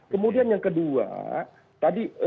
kemudian yang kedua tadi